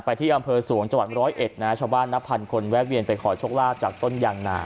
ไปที่อำเภษวงศ์จวัฏ๑๐๑ชบบ้านนับพันคนแวกเวียนไปขอชกล้าจากต้นยางรา